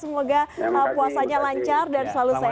semoga puasanya lancar dan selalu sehat